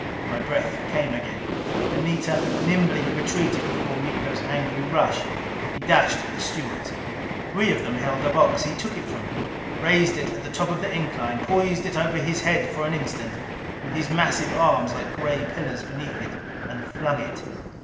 My breath came again; Anita nimbly retreated before Miko's angry rush. He dashed at the stewards. Three of them held a box. He took it from them; raised it at the top of the incline, poised it over his head an instant, with his massive arms like gray pillars beneath it; and flung it.